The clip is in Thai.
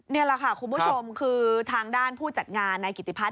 นี่แหละค่ะคุณผู้ชมคือทางด้านผู้จัดงานนายกิติพัฒ